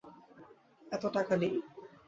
এতো টাকা নেই।